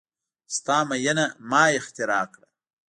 ستا میینه ما اختراع کړه